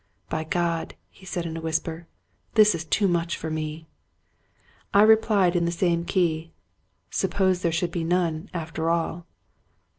" By God," he said in a whisper, " this is too much for me!" I replied in the same key :" Suppose there should be none, after all!"